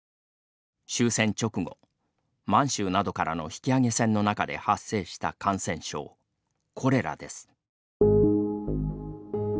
終戦直後、満州などからの引き揚げ船の中で発生した感染症コレラです。